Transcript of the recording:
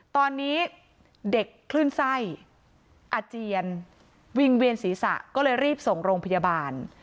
ตอนนี้เด็กคลื่นไส้อาเจียนวิ่งเวียนศีรษะก็เลยรีบส่งโรงพยาบาล